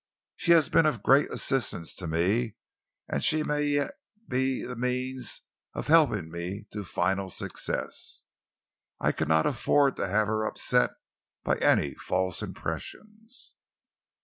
She has been of great assistance to me, and she may yet be the means of helping me to final success. I cannot afford to have her upset by any false impressions."